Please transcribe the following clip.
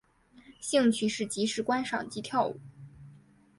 兴趣是即时观赏及跳舞。